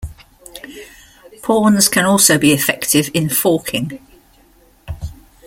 Pawns can also be effective in forking.